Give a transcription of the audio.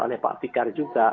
oleh pak fikar juga